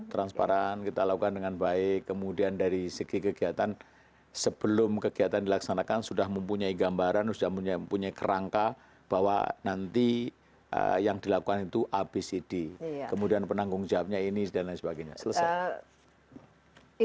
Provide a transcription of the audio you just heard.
transparan kita lakukan dengan baik kemudian dari segi kegiatan sebelum kegiatan dilaksanakan sudah mempunyai gambaran sudah mempunyai kerangka bahwa nanti yang dilakukan itu abcd kemudian penanggung jawabnya ini dan lain sebagainya selesai